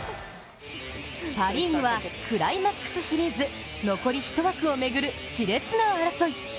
パ・リーグはクライマックスシリーズ残り１枠を巡るしれつな争い。